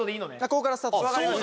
ここからスタートします